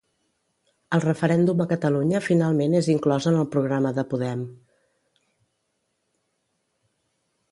El referèndum a Catalunya finalment és inclòs en el programa de Podem.